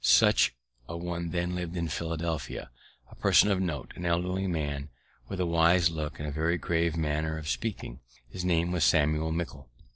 Such a one then lived in Philadelphia; a person of note, an elderly man, with a wise look and a very grave manner of speaking; his name was Samuel Mickle.